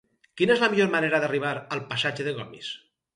Quina és la millor manera d'arribar al passatge de Gomis?